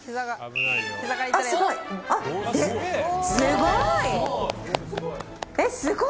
あ、すごい！